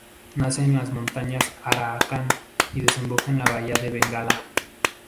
Nace en las montañas Arakan y desemboca en la bahía de Bengala.